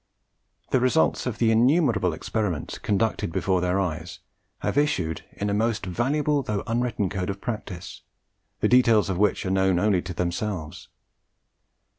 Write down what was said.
The results of the innumerable experiments conducted before their eyes have issued in a most valuable though unwritten code of practice, the details of which are known only to themselves.